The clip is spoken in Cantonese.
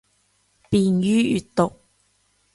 便于阅读